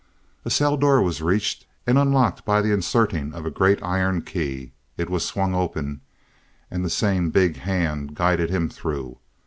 A cell door was reached and unlocked by the inserting of a great iron key. It was swung open, and the same big hand guided him through.